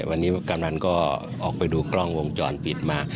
วันนี้กำนันก็ออกไปดูกล้องวงจรปิดมา